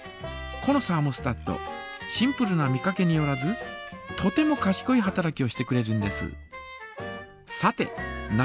このサーモスタットシンプルな見かけによらずとてもかしこい働きをしてくれるんです。